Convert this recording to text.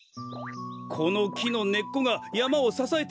このきのねっこがやまをささえているでやんす。